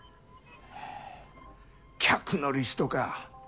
はぁ客のリストか。